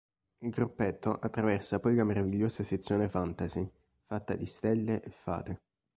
Il gruppetto attraversa poi la meravigliosa sezione Fantasy, fatta di stelle e fate.